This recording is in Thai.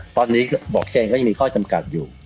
ตอนนี้บอกเชนก็ยังมีข้อจำกัดอยู่